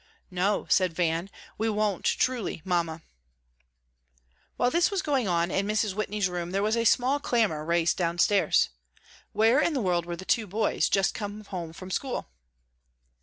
"No," said Van, "we won't, truly, Mamma." While this was going on in Mrs. Whitney's room, there was a small clamor raised downstairs. Where in the world were the two boys just come home from school?